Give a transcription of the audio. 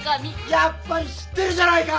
やっぱり知ってるじゃないか！